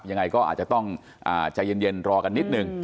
ยังไงก็อาจจะต้องใจเย็นรอกันนิดนึง